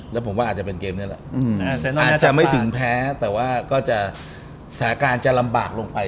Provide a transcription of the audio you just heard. แล้วผมว่าอาจจะเป็นเกมนี้แหละอาจจะไม่ถึงแพ้แต่ว่าก็จะสถานการณ์จะลำบากลงไป